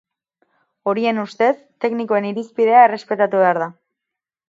Horien ustez, teknikoen irizpidea errespetatu behar da.